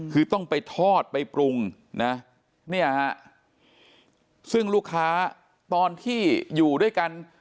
คือต้องไปทอดไปปรุงนะเนี่ยฮะซึ่งลูกค้าตอนที่อยู่ด้วยกัน